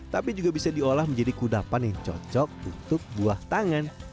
tapi juga bisa diolah menjadi kudapan yang cocok untuk buah tangan